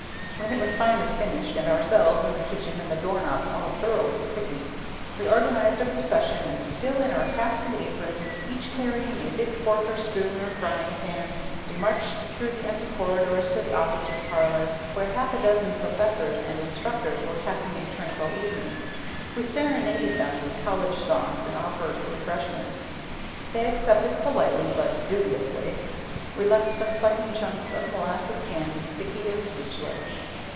When it was finally finished, and ourselves and the kitchen and the door knobs all thoroughly sticky, we organized a procession and still in our caps and aprons, each carrying a big fork or spoon or frying pan, we marched through the empty corridors to the officers' parlour, where half a dozen professors and instructors were passing a tranquil evening. We serenaded them with college songs and offered refreshments. They accepted politely but dubiously. We left them sucking chunks of molasses candy, sticky and speechless.